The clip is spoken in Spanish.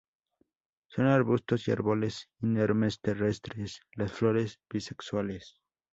Son arbustos o árboles inermes, terrestres, las flores bisexuales.